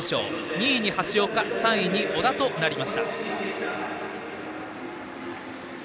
２位に橋岡３位に小田となりました。